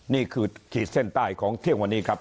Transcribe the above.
ขีดเส้นใต้ของเที่ยงวันนี้ครับ